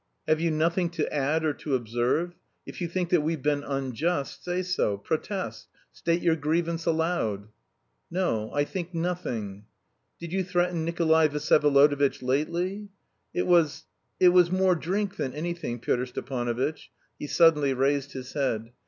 "Have you nothing to add or to observe? If you think that we've been unjust, say so; protest, state your grievance aloud." "No, I think nothing." "Did you threaten Nikolay Vsyevolodovitch lately?" "It was... it was more drink than anything, Pyotr Stepanovitch." He suddenly raised his head.